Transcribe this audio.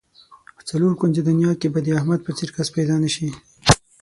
په څلور کونجه دنیا کې به د احمد په څېر کس پیدا نشي.